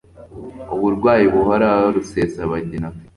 uburwayi buhoraho Rusesabagina afite